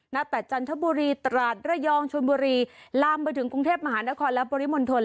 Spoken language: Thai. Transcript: แต่จันทบุรีตราดระยองชนบุรีลามไปถึงกรุงเทพมหานครและปริมณฑล